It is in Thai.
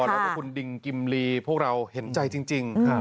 แล้วก็คุณดิงกิมลีพวกเราเห็นใจจริง